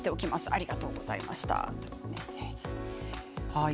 ありがとうございましたというメッセージです。